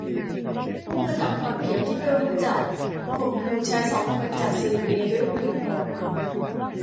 ผู้กระทำความผิดที่ไม่รู้จักข่มขู่ชายสองคนจากซีเรียด้วยปืนพก